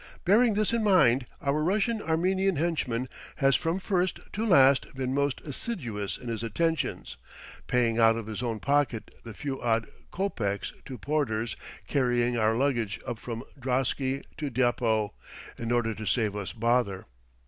Bearing this in mind, our Russian Armenian henchman has from first to last been most assiduous in his attentions, paying out of his own pocket the few odd copecks to porters carrying our luggage up from drosky to depot, in order to save us bother.